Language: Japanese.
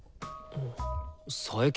佐伯。